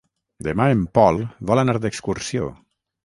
Demà en Pol vol anar d'excursió.